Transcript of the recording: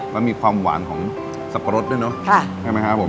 แล้วมีความหวานของสับปะรดด้วยเนอะใช่ไหมครับผม